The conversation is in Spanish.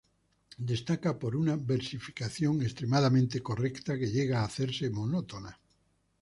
Destaca por una versificación extremadamente correcta, que llega a hacerse monótona.